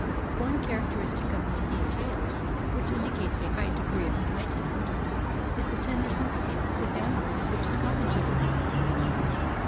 One character istic of the Indian tales, which indicates a high degree of enlightenment, is the tender sympathy with animals which is common to them.